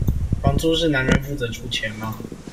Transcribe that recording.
房租是男人負責出錢嗎？